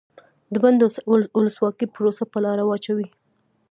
د بن د ولسواکۍ پروسه په لاره واچوي.